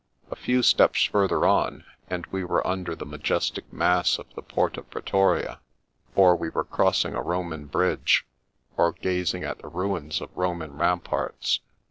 A few steps further on, and we were under the majestic mass of the Porta Pretoria; or we were crossing a Roman bridge, or gazing at the ruins of Roman ramparts.